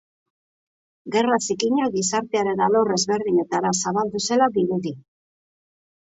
Gerra zikina gizartearen alor ezberdinetara zabaldu zela dirudi.